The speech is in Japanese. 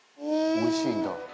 「おいしいんだ」